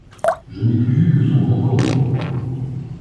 Je n'ai plus vu que son grand cordon.